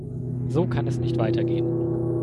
So kann es nicht weitergehen.